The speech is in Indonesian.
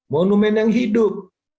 monumen yang hidup